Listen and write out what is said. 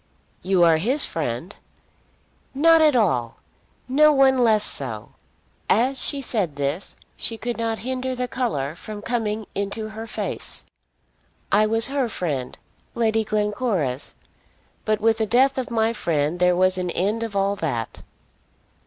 "You are his friend." "Not at all! No one less so!" As she said this she could not hinder the colour from coming into her face. "I was her friend, Lady Glencora's; but with the death of my friend there was an end of all that."